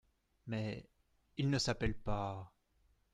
Mais il ne s’appelle pas…